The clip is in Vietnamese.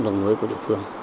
đồng mới của địa phương